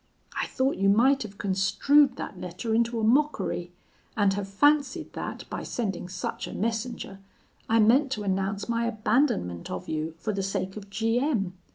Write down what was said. I thought you might have construed that letter into a mockery; and have fancied that, by sending such a messenger, I meant to announce my abandonment of you for the sake of G M